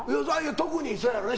特にそうやろね。